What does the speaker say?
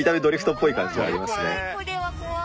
怖いこれは怖い。